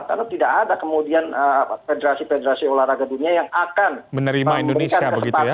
karena tidak ada kemudian federasi federasi olahraga dunia yang akan memberikan kesempatan indonesia menjadi tuan rumah